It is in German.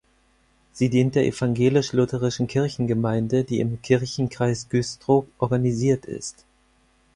Sie dient der evangelisch-lutherischen Kirchengemeinde, die im Kirchenkreis Güstrow organisiert ist.